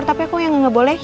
sudah pasti cambah